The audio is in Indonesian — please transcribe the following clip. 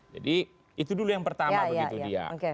jadi itu dulu yang pertama begitu dia